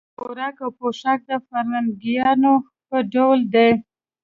خوراک او پوښاک د فرنګیانو په ډول دی.